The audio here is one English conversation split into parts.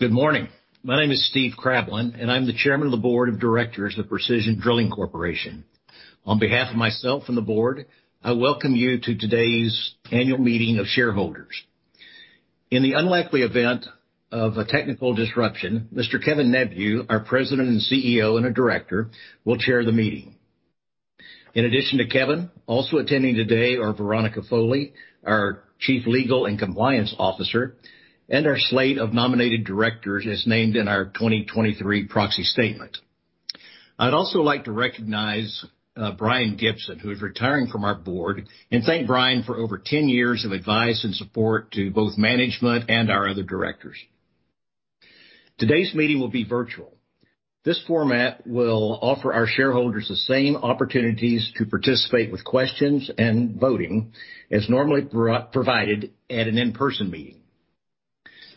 Good morning. My name is Steve Krablin, and I'm the Chairman of the Board of Directors of Precision Drilling Corporation. On behalf of myself and the board, I welcome you to today's annual meeting of shareholders. In the unlikely event of a technical disruption, Mr. Kevin A. Neveu, our President and CEO and a director, will chair the meeting. In addition to Kevin, also attending today are Veronica Foley, our Chief Legal and Compliance Officer, and our slate of nominated directors as named in our 2023 proxy statement. I'd also like to recognize Brian Gibson, who is retiring from our board and thank Brian for over 10 years of advice and support to both management and our other directors. Today's meeting will be virtual. This format will offer our shareholders the same opportunities to participate with questions and voting as normally provided at an in-person meeting.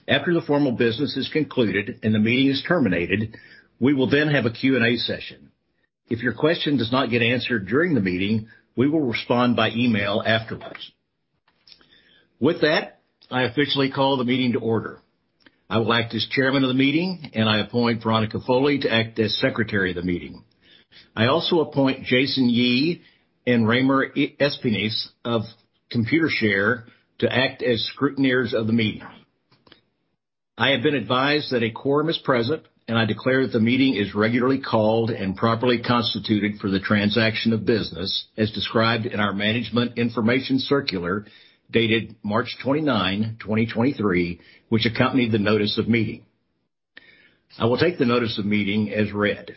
After the formal business is concluded and the meeting is terminated, we will then have a Q&A session. If your question does not get answered during the meeting, we will respond by email afterwards. With that, I officially call the meeting to order. I will act as Chairman of the meeting, and I appoint Veronica Foley to act as Secretary of the meeting. I also appoint Jason Yee and Raymer Espines of Computershare to act as scrutineers of the meeting. I have been advised that a quorum is present, and I declare that the meeting is regularly called and properly constituted for the transaction of business as described in our management information circular dated March 29, 2023, which accompanied the notice of meeting. I will take the notice of meeting as read.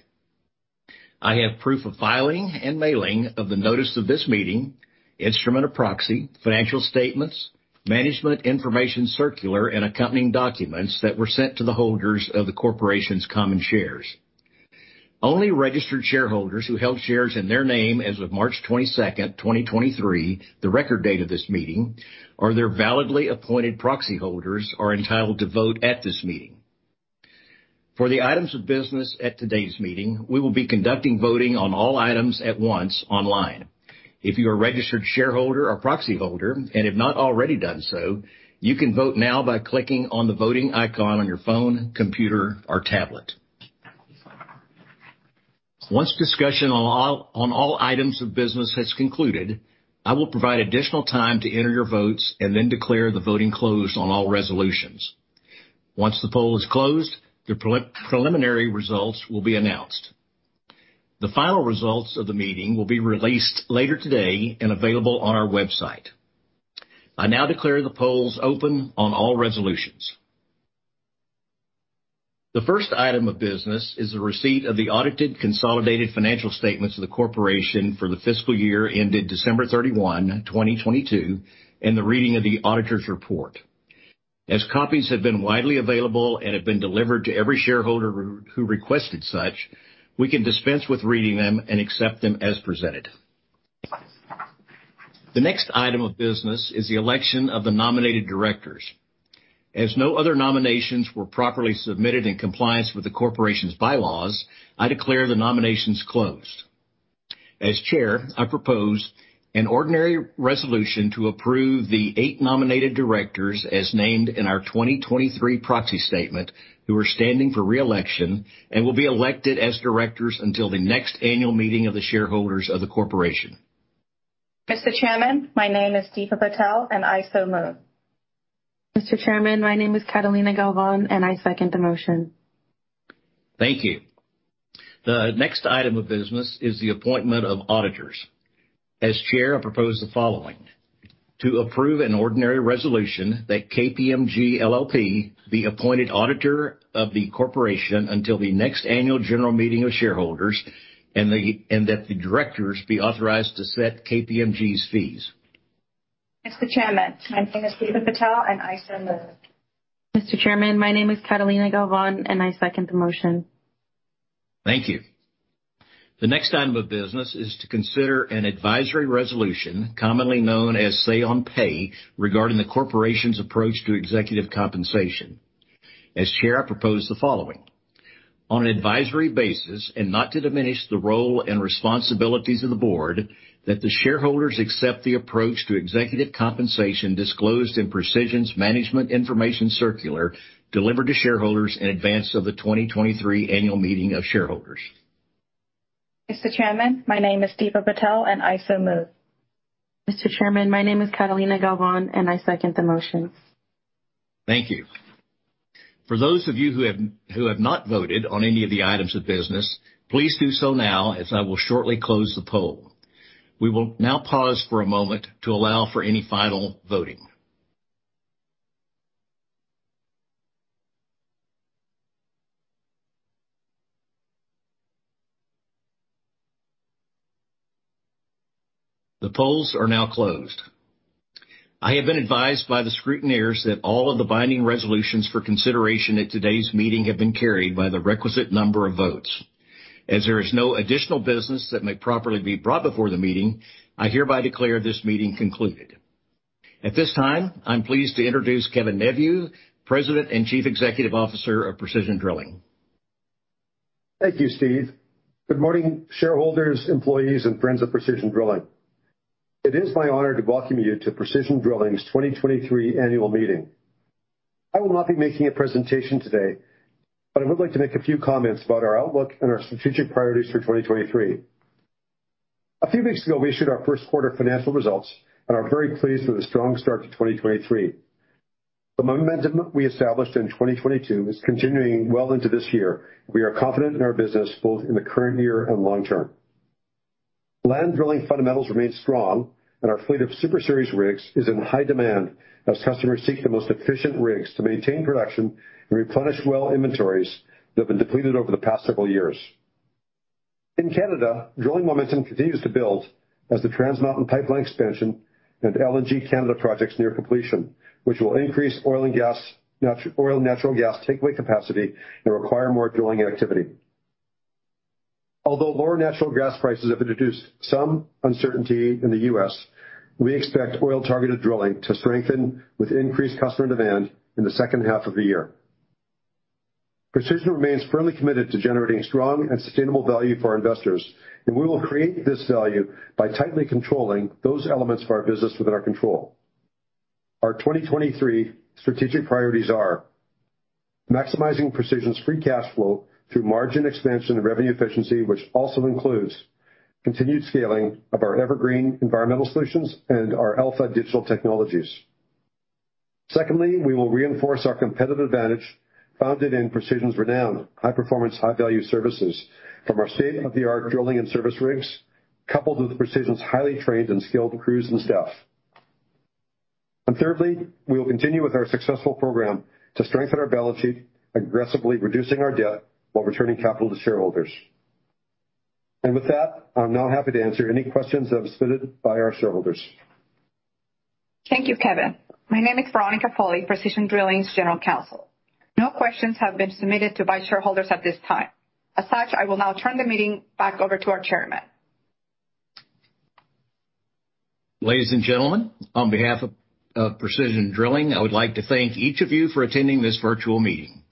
I have proof of filing and mailing of the notice of this meeting, instrument of proxy, financial statements, management information circular and accompanying documents that were sent to the holders of the corporation's common shares. Only registered shareholders who held shares in their name as of March 22nd, 2023, the record date of this meeting, or their validly appointed proxy holders are entitled to vote at this meeting. For the items of business at today's meeting, we will be conducting voting on all items at once online. If you are a registered shareholder or proxy holder, and if not already done so, you can vote now by clicking on the voting icon on your phone, computer, or tablet. Once discussion on all items of business has concluded, I will provide additional time to enter your votes and then declare the voting closed on all resolutions. Once the poll is closed, the preliminary results will be announced. The final results of the meeting will be released later today and available on our website. I now declare the polls open on all resolutions. The first item of business is the receipt of the audited consolidated financial statements of the Corporation for the fiscal year ended December 31, 2022, and the reading of the auditor's report. As copies have been widely available and have been delivered to every shareholder who requested such, we can dispense with reading them and accept them as presented. The next item of business is the election of the nominated directors. As no other nominations were properly submitted in compliance with the Corporation's bylaws, I declare the nominations closed. As chair, I propose an ordinary resolution to approve the eight nominated directors as named in our 2023 proxy statement, who are standing for re-election and will be elected as directors until the next annual meeting of the shareholders of the corporation. Mr. Chairman, my name is Deepa Patel, and I so move. Mr. Chairman, my name is Catalina Galvan, and I second the motion. Thank you. The next item of business is the appointment of auditors. As chair, I propose the following. To approve an ordinary resolution that KPMG LLP, the appointed auditor of the corporation, until the next annual general meeting of shareholders and that the directors be authorized to set KPMG's fees. The next item of business is to consider an advisory resolution, commonly known as say on pay, regarding the corporation's approach to executive compensation. As chair, I propose the following. On an advisory basis and not to diminish the role and responsibilities of the board, that the shareholders accept the approach to executive compensation disclosed in Precision's management information circular, delivered to shareholders in advance of the 2023 annual meeting of shareholders. Thank you. For those of you who have not voted on any of the items of business, please do so now as I will shortly close the poll. We will now pause for a moment to allow for any final voting. The polls are now closed. I have been advised by the scrutineers that all of the binding resolutions for consideration at today's meeting have been carried by the requisite number of votes. As there is no additional business that may properly be brought before the meeting, I hereby declare this meeting concluded. At this time, I'm pleased to introduce Kevin Neveu, President and Chief Executive Officer of Precision Drilling. Thank you, Steve Krablin. Good morning, shareholders, employees, and friends of Precision Drilling. It is my honor to welcome you to Precision Drilling's 2023 annual meeting. I will not be making a presentation today. I would like to make a few comments about our outlook and our strategic priorities for 2023. A few weeks ago, we issued our first quarter financial results and are very pleased with a strong start to 2023. The momentum we established in 2022 is continuing well into this year. We are confident in our business, both in the current year and long term. Land drilling fundamentals remain strong, and our fleet of Super Series rigs is in high demand as customers seek the most efficient rigs to maintain production and replenish well inventories that have been depleted over the past several years. In Canada, drilling momentum continues to build as the Trans Mountain pipeline expansion and LNG Canada projects near completion, which will increase oil and natural gas takeaway capacity and require more drilling activity. Although lower natural gas prices have introduced some uncertainty in the U.S., we expect oil-targeted drilling to strengthen with increased customer demand in the second half of the year. Precision remains firmly committed to generating strong and sustainable value for our investors. We will create this value by tightly controlling those elements of our business within our control. Our 2023 strategic priorities are maximizing Precision's free cash flow through margin expansion and revenue efficiency, which also includes continued scaling of our EverGreen environmental solutions and our Alpha digital technologies. Secondly, we will reinforce our competitive advantage founded in Precision's renowned high-performance, high-value services from our state-of-the-art drilling and service rigs, coupled with Precision's highly trained and skilled crews and staff. Thirdly, we will continue with our successful program to strengthen our balance sheet, aggressively reducing our debt while returning capital to shareholders. With that, I'm now happy to answer any questions that was submitted by our shareholders. Thank you, Kevin. My name is Veronica Foley, Precision Drilling's general counsel. No questions have been submitted to by shareholders at this time. As such, I will now turn the meeting back over to our Chairman. Ladies and gentlemen, on behalf of Precision Drilling, I would like to thank each of you for attending this virtual meeting.